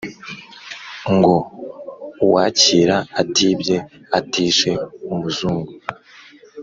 ngo uwakira atibye atishe umuzungu